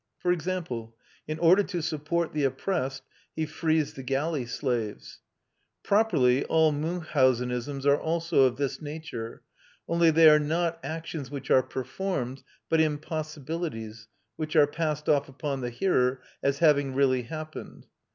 For example, in order to support the oppressed he frees the galley slaves. Properly all Münchhausenisms are also of this nature, only they are not actions which are performed, but impossibilities, which are passed off upon the hearer as having really happened.